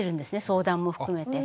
相談も含めて。